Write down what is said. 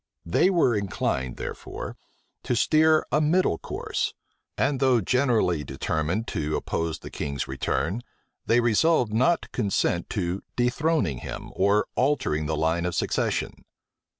They were inclined, therefore, to steer a middle course; and, though generally determined to oppose the king's return, they resolved not to consent to dethroning him, or altering the line of succession.